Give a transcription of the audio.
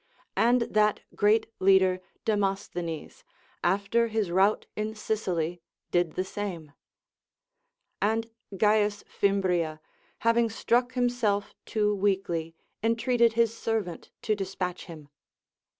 And that great leader, Demosthenes, after his rout in Sicily, did the same; and C. Fimbria, having struck himself too weakly, entreated his servant to despatch him.